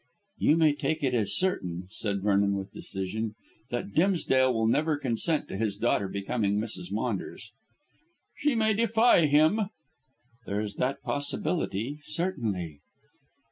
"You may take it as certain," said Vernon with decision, "that Dimsdale will never consent to his daughter becoming Mrs. Maunders." "She may defy him." "There is that possibility, certainly."